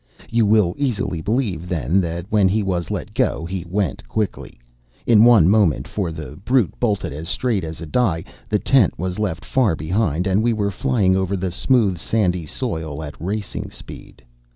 You will easily believe, then, that when he was let go he went quickly. In one moment, for the brute bolted as straight as a die, the tent was left far behind, and we were flying over the smooth sandy soil at racing speed.